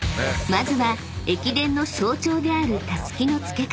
［まずは駅伝の象徴である］